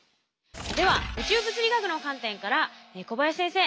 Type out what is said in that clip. では宇宙物理学の観点から小林先生